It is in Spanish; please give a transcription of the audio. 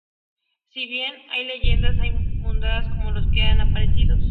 Si bien, hay leyendas más mundanas como la de los aparecidos.